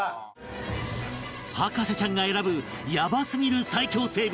博士ちゃんが選ぶヤバすぎる最恐生物